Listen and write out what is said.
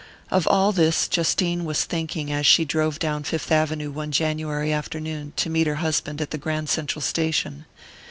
Of all this Justine was thinking as she drove down Fifth Avenue one January afternoon to meet her husband at the Grand Central station.